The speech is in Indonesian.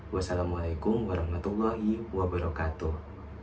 wassalamualaikum warahmatullahi wabarakatuh